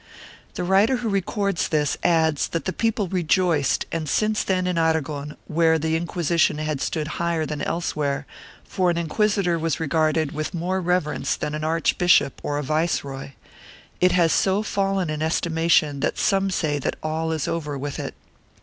The writer who records this adds that the people rejoiced and since then in Aragon, where the Inquisition had stood higher than elsewhere, for an inquisitor was regarded with more reverence than an archbishop or a viceroy, it has so fallen in estimation that some say that all is over with it.